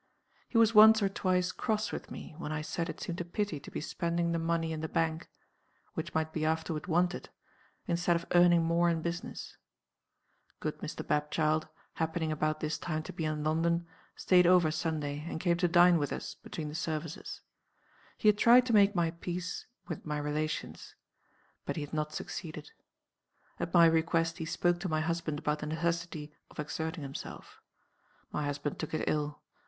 "He was once or twice cross with me when I said it seemed a pity to be spending the money in the bank (which might be afterward wanted) instead of earning more in business. Good Mr. Bapchild, happening about this time to be in London, staid over Sunday, and came to dine with us between the services. He had tried to make my peace with my relations but he had not succeeded. At my request he spoke to my husband about the necessity of exerting himself. My husband took it ill.